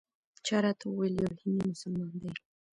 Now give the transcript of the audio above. چا راته وویل یو هندي مسلمان دی.